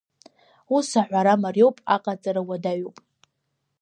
Ус аҳәара мариоуп, аҟаҵара уадаҩуп.